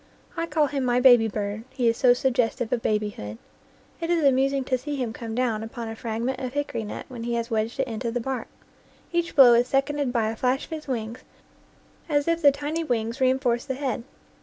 I call him my baby bird, he is so suggestive of babyhood. It is amusing to see him come down upon a fragment of hickory nut when he has wedged it into the bark. Each blow is seconded by a flash of his wings, as if the tiny wings reinforced the head.